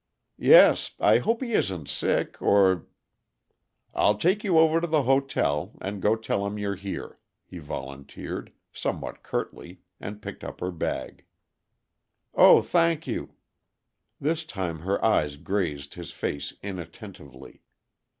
"Yes. I hope he isn't sick, or " "I'll take you over to the hotel, and go tell him you're here," he volunteered, somewhat curtly, and picked up her bag. "Oh, thank you." This time her eyes grazed his face inattentively.